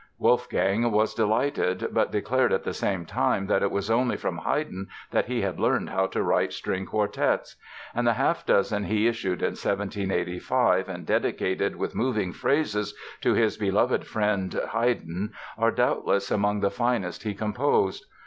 Wolfgang was delighted, but declared at the same time that it was only from Haydn that he had learned how to write string quartets. And the half dozen he issued in 1785 and dedicated with moving phrases to his "beloved friend Haydn" are doubtless among the finest he composed.